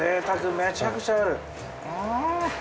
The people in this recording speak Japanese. めちゃくちゃある。